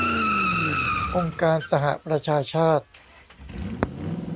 องค์การสหประชาชาติ